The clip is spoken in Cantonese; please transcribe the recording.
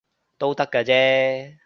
都得嘅啫